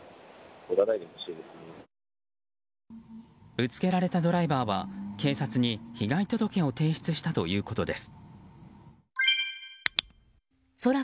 ぶつけられたドライバーは警察に被害届を提出したということです。